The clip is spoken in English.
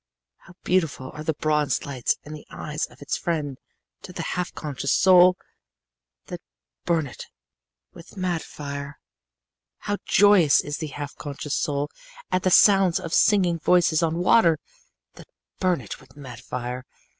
"How beautiful are the bronze lights in the eyes of its friend to the half conscious soul! that burn it with mad fire. "How joyous is the half conscious soul at the sounds of singing voices on water! that burn it with mad fire.